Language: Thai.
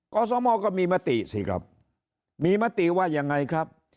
ขอสมก็มีมติสิครับมีมติว่ายังไงครับ